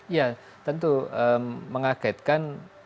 ya tentu mengagetkan